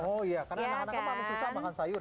oh iya karena anak anak itu paling susah makan sayur ya